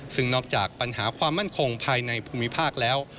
ซึ่งนอกจากปัญหาความมั่นคงภายในภูมิภาคแล้ว